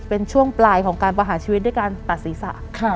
เป็นช่วงปลายของการประหารชีวิตด้วยการตัดศีรษะ